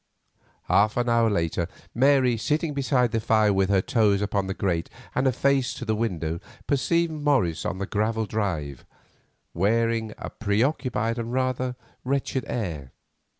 Half an hour later Mary, sitting beside the fire with her toes upon the grate and her face to the window, perceived Morris on the gravel drive, wearing a preoccupied and rather wretched air.